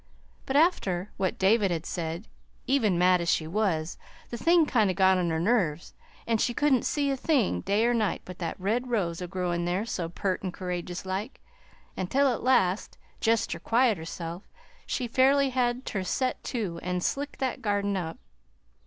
But after what David had said, even mad as she was, the thing kind o' got on her nerves, an' she couldn't see a thing, day or night, but that red rose a growin' there so pert an' courageous like, until at last, jest ter quiet herself, she fairly had ter set to an' slick that garden up!